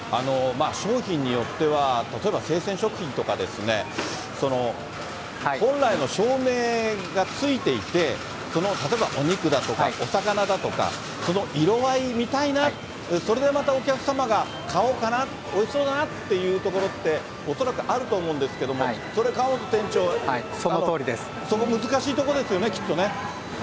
商品によっては、例えば生鮮食品とかですね、本来の照明がついていて、例えば、お肉だとか、お魚だとか、その色合い見たいな、それでまたお客様が買おうかな、おいしそうだなっていうところって、恐らくあると思うんですけれども、それ、河本店長、それ、難しいところでしょうね、きっとね。